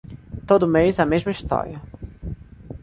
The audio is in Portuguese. Todo mês, a mesma história.